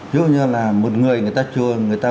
ví dụ như là một người người ta